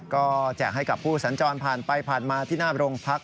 ก็แจกให้กับผู้สัญจรผ่านไปผ่านมาที่หน้าโรงพัก